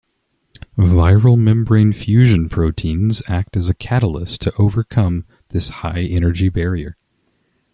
Viral membrane fusion proteins act as catalysts to overcome this high energy barrier.